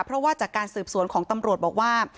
เพราะว่าจากการสืบสวนของตำรวจบอกว่า